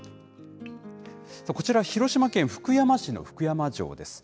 こちら、広島県福山市の福山城です。